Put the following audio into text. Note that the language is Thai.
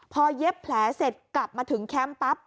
พอเย็บแผลเสร็จกลับมาถึงแคมป์ปั๊บ